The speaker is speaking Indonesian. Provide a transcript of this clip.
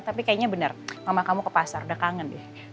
tapi kayaknya benar mama kamu ke pasar udah kangen deh